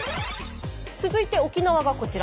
続いて沖縄がこちら。